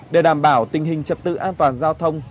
để đảm bảo tình hình trật tự an toàn giao thông